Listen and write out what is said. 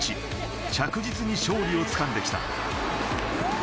着実に勝利を掴んできた。